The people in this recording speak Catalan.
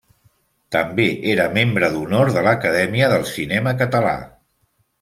També era membre d'honor de l'Acadèmia del Cinema Català.